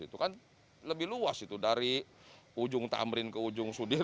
itu kan lebih luas itu dari ujung tamrin ke ujung sudir